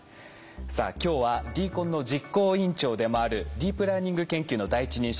さあ今日はＤＣＯＮの実行委員長でもあるディープラーニング研究の第一人者